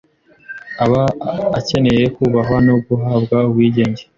aba akeneye kubahwa no guhabwa ubwigenge